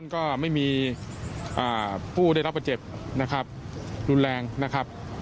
ก็ไม่มีผู้ได้รับบาดเจ็บนะครับรุนแรงนะครับ